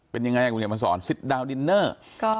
เป็นยังไงครับมันสอนซิตดาวดินเนอร์